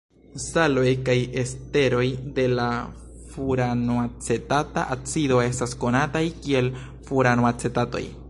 Saloj kaj esteroj de la furanoacetata acido estas konataj kiel furanoacetatoj.